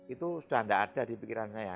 itu sudah tidak ada di pikiran saya